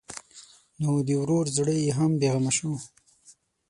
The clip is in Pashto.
نو د ورور زړه یې هم بېغمه شو.